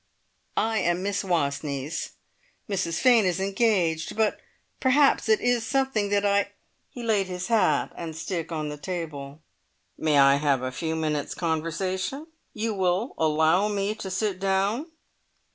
"I am Miss Wastneys. Mrs Fane is engaged. Perhaps it is something that I " He laid his hat and stick on the table. "May I have a few minutes' conversation? You will allow me to sit down?"